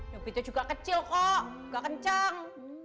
nopi tuh juga kecil kok gak kenceng